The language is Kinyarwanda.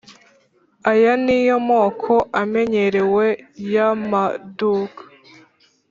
Aya niyo moko amenyerewe y amaduka